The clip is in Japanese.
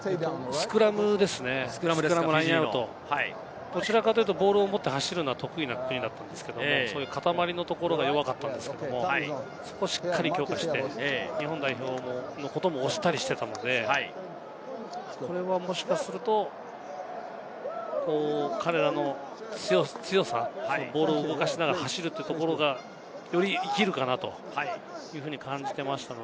スクラムとラインアウト、どちらかというとボールを持って走るのは得意な国なので、かたまりのところが弱かったんですけれども、そこをしっかり強化して日本代表のことも押したりしていたので、これはもしかすると彼らの強さ、ボールを動かしながら走るというところがより生きるかなというふうに感じていました。